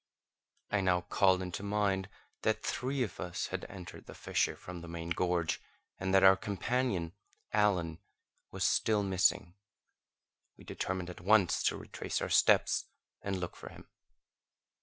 I now called to mind that three of us had entered the fissure from the main gorge, and that our companion, Allen, was still missing; we determined at once to retrace our steps and look for him.